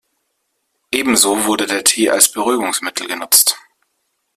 Ebenso wurde der Tee als Beruhigungsmittel genutzt.